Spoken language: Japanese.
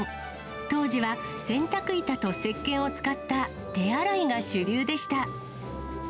当時は洗濯板とせっけんを使った手洗いが主流でした。